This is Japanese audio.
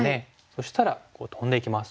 そしたらトンでいきます。